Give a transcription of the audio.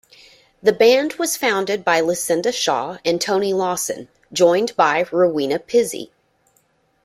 The band was founded by Lucinda Shaw and Toni Lawson, joined by Rowena Pizzey.